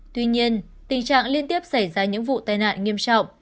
tuy nhiên tình trạng liên tiếp xảy ra những vụ tai nạn nghiêm trọng